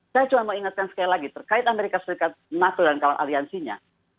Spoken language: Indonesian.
saya cuma ingatkan sekali lagi terkait as nato dan kawal aliansinya